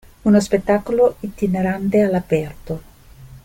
Uno spettacolo itinerante all'aperto.